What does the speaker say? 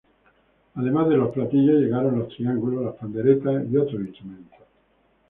Además de los platillos, llegaron los triángulos, las panderetas y otros instrumentos.